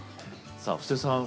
さあ布施さん